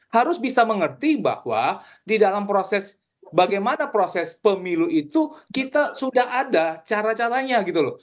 harus bisa mengerti bahwa di dalam proses bagaimana proses pemilu itu kita sudah ada cara caranya gitu loh